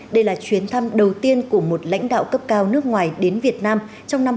đây là chuyến thăm đầu tiên của một lãnh đạo cấp cao nước ngoài đến việt nam trong năm hai nghìn hai mươi